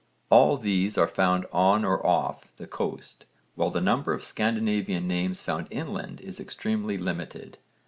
All these are found on or off the coast, while the number of Scandinavian names found inland is extremely limited.